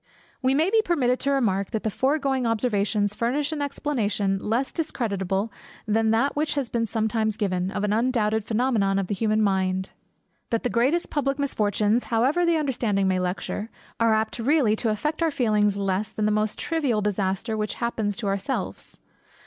We may be permitted to remark, that the foregoing observations furnish an explanation, less discreditable than that which has been sometimes given, of an undoubted phænomenon in the human mind, that the greatest public misfortunes, however the understanding may lecture, are apt really to affect our feelings less than the most trivial disaster which happens to ourselves.